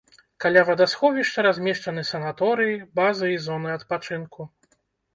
Каля вадасховішча размешчаны санаторыі, базы і зоны адпачынку.